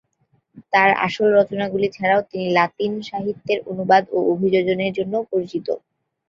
তাঁর আসল রচনাগুলি ছাড়াও তিনি লাতিন সাহিত্যের অনুবাদ ও অভিযোজনের জন্যও পরিচিত।